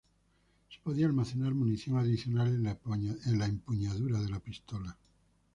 Se podía almacenar munición adicional en la empuñadura de la pistola.